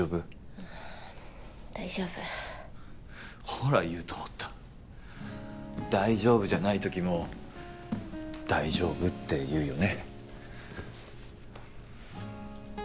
うん大丈夫ほら言うと思った大丈夫じゃない時も大丈夫って言うよね